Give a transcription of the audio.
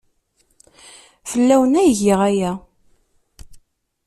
Fell-awen ay giɣ aya.